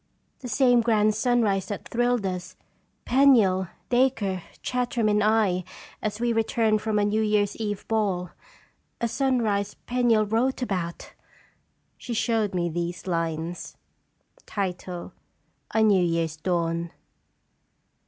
" The same grand sunrise that thrilled us, Penniel, Dacre, Chartram, and I, as we re turned from a New Year's Eve ball. A sunrise Penniel wrote about." She showed me these lines : "A NEW YEAR'S DAWN.